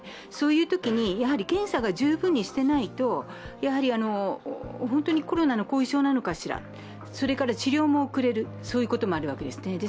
そういうときに、検査が十分にしていないと本当にコロナの後遺症なのかしら、それから治療が遅れることもあるわけですね。